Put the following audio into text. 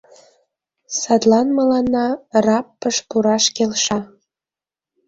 Садлан мыланна РАПП-ыш пураш келша.